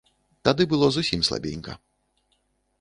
Тады было зусім слабенька.